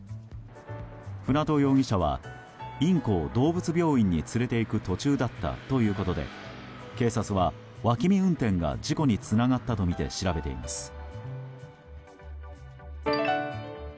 舟渡容疑者はインコを動物病院に連れて行く途中だったということで警察は脇見運転が事故につながったとみて調べています。